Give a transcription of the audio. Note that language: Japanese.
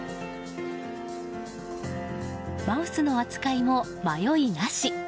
マウスの扱いも迷いなし。